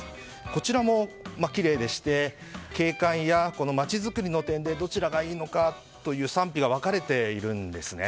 こちらもきれいでして景観や街づくりの点でどちらがいいのかという賛否が分かれているんですね。